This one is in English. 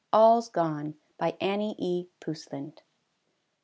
^^ALUS GONE/^ BY ANNIE E. POUSLAND.